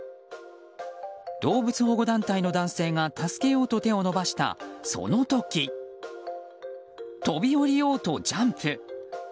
動物保護団体の男性が助けようと手を伸ばしたその時、飛び降りようとジャンプ。